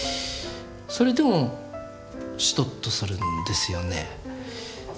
それでもしとっとするんですよね。